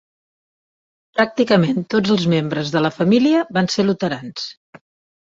Pràcticament tots els membres de la família van ser luterans.